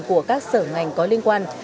của các sở ngành có liên quan